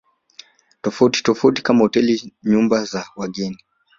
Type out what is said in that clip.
tofauti tofauti kama hoteli nyumba za wageni